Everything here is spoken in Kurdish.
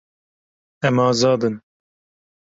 Em azad in.